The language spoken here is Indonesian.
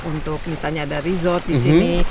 untuk misalnya ada resort disini